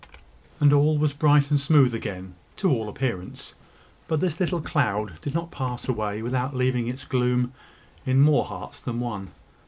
And all was bright and smooth again to all appearance. But this little cloud did not pass away without leaving its gloom in more hearts than one.